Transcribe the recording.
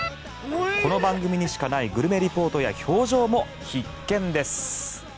この番組にしかないグルメリポートや表情も必見です。